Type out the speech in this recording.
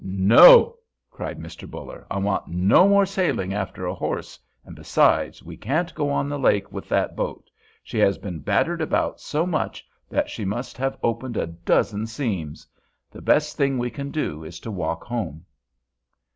"No," cried Mr. Buller; "I want no more sailing after a horse, and, besides, we can't go on the lake with that boat; she has been battered about so much that she must have opened a dozen seams. The best thing we can do is to walk home."